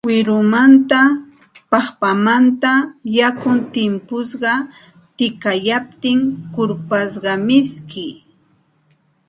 Wirumanta, paqpamanta yakun timpusqa tikayaptin kurpasqa miski